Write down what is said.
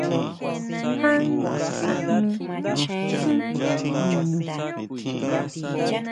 Já nkajmi tjín niñú?